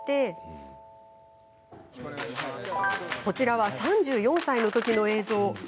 こちらは３４歳のときの映像。